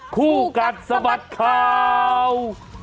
คู่กัดสะบัดข่าว